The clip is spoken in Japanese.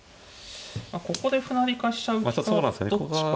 ここで歩成りか飛車浮きかどっちか。